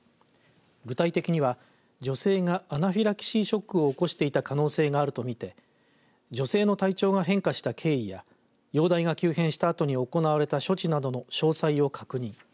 具体的には女性がアナフィラキシーショックを起こしていた可能性があると見て女性の体調が変化した経緯や容体が急変したあとに行われた処置などの詳細を確認。